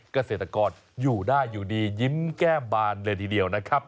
เกษตรกรอยู่ได้อยู่ดียิ้มแก้มบานเลยทีเดียวนะครับ